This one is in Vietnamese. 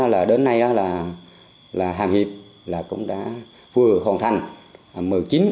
là hàm hiệp là cũng đã vừa hoàn thành